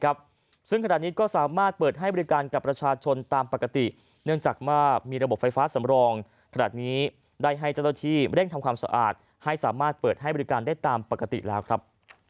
ใครให้เจ้าตัวที่ไม่ได้ทำความสะอาดให้สามารถเปิดให้บริการได้ตามปกติแล้วครับ